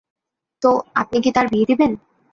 তো, আপনি কি তার বিয়ে দিবেন?